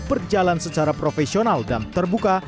berjalan secara profesional dan terbuka